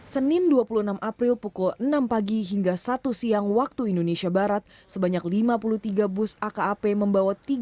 senin dua puluh enam april pukul enam pagi hingga satu siang waktu indonesia barat sebanyak lima puluh tiga bus akap membawa tiga ratus enam puluh sembilan penumpang